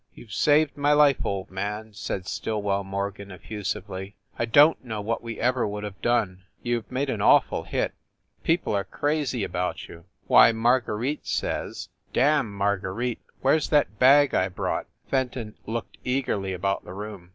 "You ve saved my life, old man," said Stillwell Morgan, effusively. "I don t know what we ever would have done. You ve made an awful hit. Peo ple are crazy about you ! Why, Marguerite says " "Damn Marguerite! Where s that bag I brought?" Fenton looked eagerly about the room.